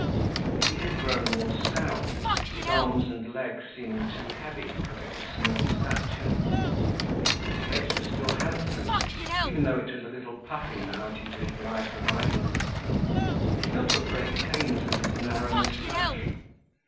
He had grown more stout, his arms and legs seeming too heavy because of his small stature. His face was still handsome even though it was a little puffy now due to his life of idleness. He still took great pains with his narrow moustache.